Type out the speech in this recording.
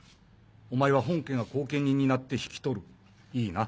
お前は本家が後見人になって引き取るいいな？